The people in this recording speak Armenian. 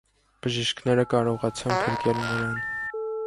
Բժիշկները կարողացան փրկել նրան։